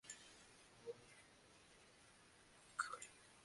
খাওয়াটাও কি– অক্ষয়।